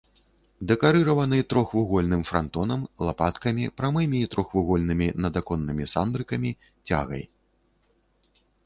Дэкарыраваны трохвугольным франтонам, лапаткамі, прамымі і трохвугольнымі надаконнымі сандрыкамі, цягай.